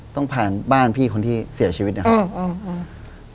ต้องผ่านบ้านพี่คนที่เสียชีวิตนะครับ